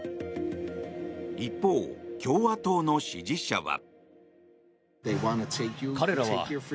一方、共和党の支持者は。